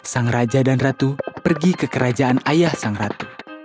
sang raja dan ratu pergi ke kerajaan ayah sang ratu